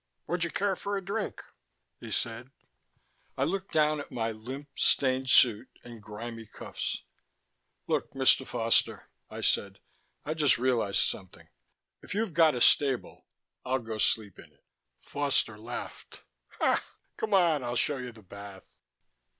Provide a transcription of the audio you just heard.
"Would you care for a drink?" he said. I looked down at my limp, stained suit and grimy cuffs. "Look, Mr. Foster," I said. "I just realized something. If you've got a stable, I'll go sleep in it " Foster laughed. "Come on; I'll show you the bath."